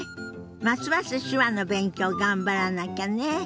ますます手話の勉強頑張らなきゃね。